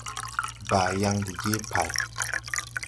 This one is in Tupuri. Baayaŋ de jee pày.